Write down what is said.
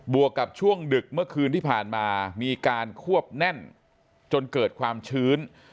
วกกับช่วงดึกเมื่อคืนที่ผ่านมามีการควบแน่นจนเกิดความชื้น